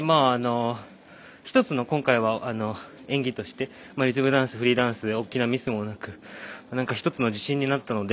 １つの今回は演技としてリズムダンス、フリーダンス大きなミスもなく１つの自信になったので。